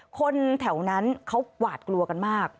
คนแถวนั้นเขาหวาดกลัวกันมาก